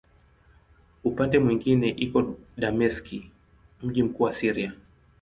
Upande mwingine iko Dameski, mji mkuu wa Syria.